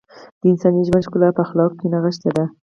د انساني ژوند ښکلا په اخلاقو کې نغښتې ده .